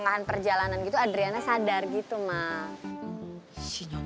kalau kamu tuh di di ihnen